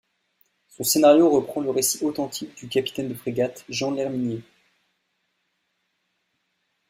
Son scénario reprend le récit authentique du capitaine de frégate Jean L'Herminier.